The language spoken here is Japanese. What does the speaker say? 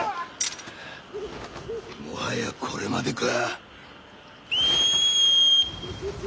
もはやこれまでか。